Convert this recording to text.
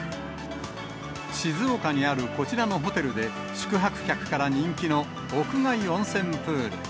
静岡にあるこちらのホテルで、宿泊客から人気の屋外温泉プール。